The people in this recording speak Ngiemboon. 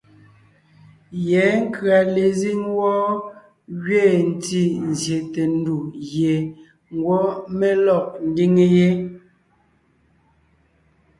Yɛ̌ nkʉ̀a lezíŋ wɔ́ gẅiin ntí zsyète ndù gie ngwɔ́ mé lɔg ńdiŋe yé.